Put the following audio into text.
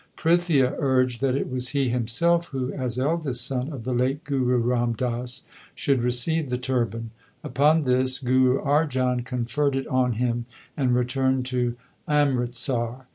Prithia urged that it was he himself who, as eldest son of the late Guru Ram Das, should receive the turban. Upon this Guru Arjan conferred it on him and returned to Amritsar.